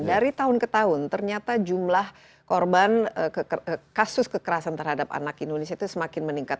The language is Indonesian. dari tahun ke tahun ternyata jumlah korban kasus kekerasan terhadap anak indonesia itu semakin meningkat